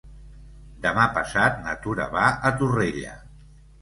Demà passat na Tura va a Torrella.